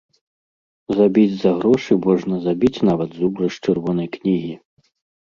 Забіць за грошы можна забіць нават зубра з чырвонай кнігі.